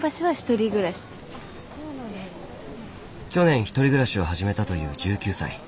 去年１人暮らしを始めたという１９歳。